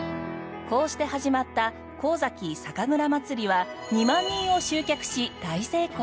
こうして始まったこうざき酒蔵まつりは２万人を集客し大成功！